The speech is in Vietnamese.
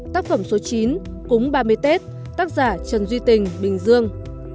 tác phẩm số chín cúng ba mươi tết tác giả trần duy tình bình dương